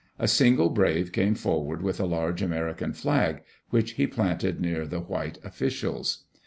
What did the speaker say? A single brave came forward with a large American flag, which he planted near the white officials.